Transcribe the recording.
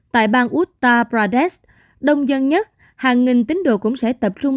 tại bang uttar pradesh đông dân nhất hàng nghìn tính đồ cũng sẽ tập trung